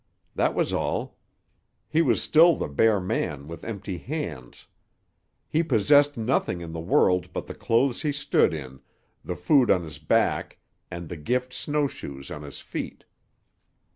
That was all. He was still the bare man with empty hands. He possessed nothing in the world but the clothes he stood in, the food on his back and the gift snow shoes on his feet.